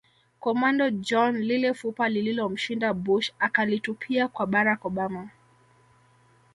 Commando John Lile fupa lililomshinda Bush akalitupia kwa Barack Obama